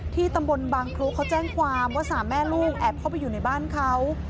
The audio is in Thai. ตำบลบางพลุเขาแจ้งความว่าสามแม่ลูกแอบเข้าไปอยู่ในบ้านเขา